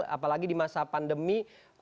apalagi di masa pandemi